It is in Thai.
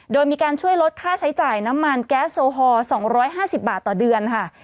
โดยมีการช่วยลดค่าใช้จ่ายน้ำมันแก๊สโซฮอล๒๕๐บาทต่อเดือนค่ะ